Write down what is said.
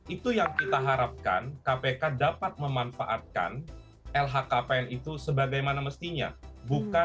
itu yang kita harapkan kpk dapat memanfaatkan lhkpn itu sebagaimana mestinya